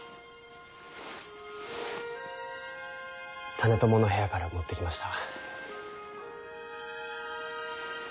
実朝の部屋から持ってきました。